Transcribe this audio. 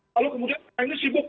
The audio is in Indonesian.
lalu kemudian ini sibuk